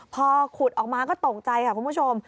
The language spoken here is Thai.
พอขุดออกมาก็ตกใจค่ะคุณผู้ชม